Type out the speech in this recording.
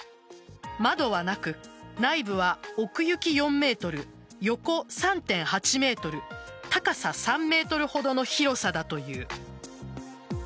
窓はなく、内部は奥行き４ｍ横３．８ｍ高さ３ｍほどの広さだという。